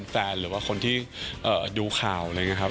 หรือว่าคนที่ดูข่าวอะไรอย่างนี้ครับ